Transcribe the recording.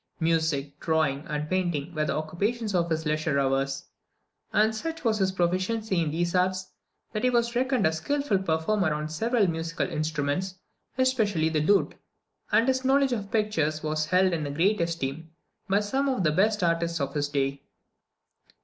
Music, drawing, and painting were the occupations of his leisure hours; and such was his proficiency in these arts, that he was reckoned a skilful performer on several musical instruments, especially the lute; and his knowledge of pictures was held in great esteem by some of the best artists of his day.